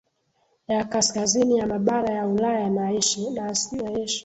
ya kaskazini ya mabara ya Ulaya na Asia